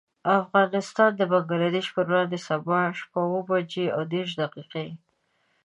افغانستان د بنګلدېش پر وړاندې، سبا شپه اوه بجې او دېرش دقيقې.